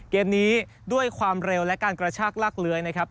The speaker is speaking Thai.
เกมนี้ด้วยความเร็วและการกระชากลากเลื้อยนะครับ